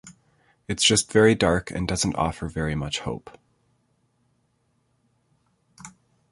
It's just very dark and doesn't offer very much hope.